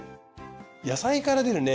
野菜から出るね